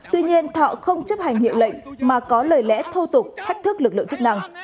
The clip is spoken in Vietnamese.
tuy nhiên thọ không chấp hành hiệu lệnh mà có lời lẽ thô tục thách thức lực lượng chức năng